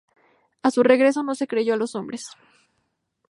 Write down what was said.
A su regreso, no se creyó a los hombres.